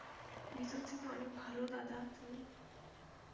ভেতর থেকে অনেক ভালো দাদা তুমি।